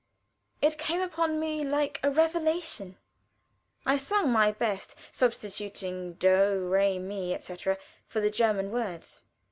It came upon me like a revelation. I sung my best, substituting do, re, mi, etc., for the German words.